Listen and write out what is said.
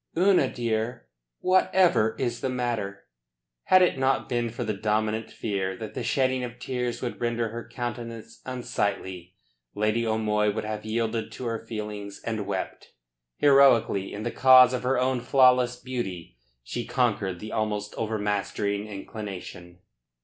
"Una, dear, whatever is the matter?" Had it not been for the dominant fear that the shedding of tears would render her countenance unsightly, Lady O'Moy would have yielded to her feelings and wept. Heroically in the cause of her own flawless beauty she conquered the almost overmastering inclination.